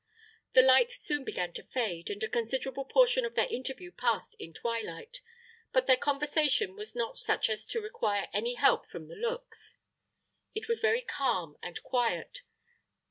The light soon began to fade, and a considerable portion of their interview passed in twilight; but their conversation was not such as to require any help from the looks. It was very calm and quiet.